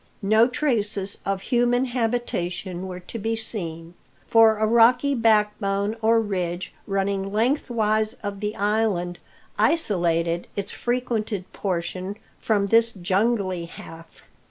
No traces of human habitation were to be seen; for a rocky backbone or ridge, running lengthwise of the island, isolated its frequented portion from this jungly half.